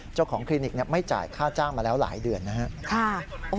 คลินิกไม่จ่ายค่าจ้างมาแล้วหลายเดือนนะครับ